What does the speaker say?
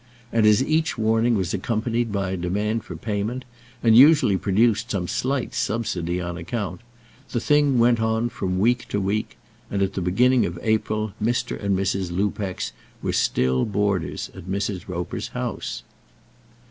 And as each warning was accompanied by a demand for payment, and usually produced some slight subsidy on account, the thing went on from week to week; and at the beginning of April Mr. and Mrs. Lupex were still boarders at Mrs. Roper's house.